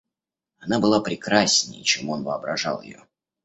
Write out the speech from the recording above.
Она была прекраснее, чем он воображал ее.